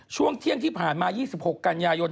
ช่วงเที่ยงที่ผ่านมา๒๖กันยายน